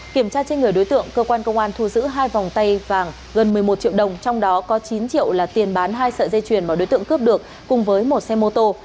kiểm tra trên người đối tượng cơ quan công an thu giữ hai vòng tay vàng gần một mươi một triệu đồng trong đó có chín triệu là tiền bán hai sợi dây chuyền mà đối tượng cướp được cùng với một xe mô tô